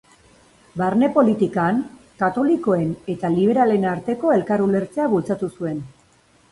Barne politikan, katolikoen eta liberalen arteko elkar-ulertzea bultzatu zuen.